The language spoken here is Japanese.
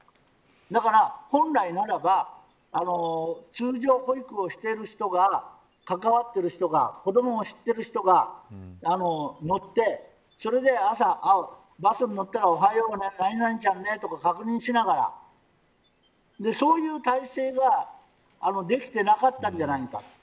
本来ならば通常保育をしている人が関わっている人が子どもを知っている人が乗って朝、バスに乗ったらおはよう何々ちゃんねと確認しながらそういう体制ができていなかったんじゃないか。